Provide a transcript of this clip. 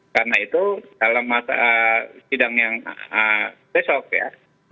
karena itu dalam sidang yang besok ya